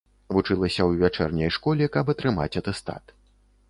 Вучылася ў вячэрняй школе, каб атрымаць атэстат.